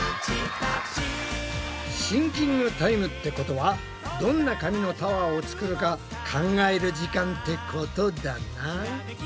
シンキングタイムってことはどんな紙のタワーを作るか考える時間ってことだな。